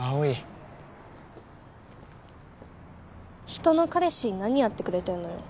葵人の彼氏に何やってくれてんのよ